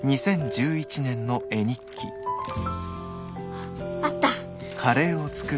あっあった。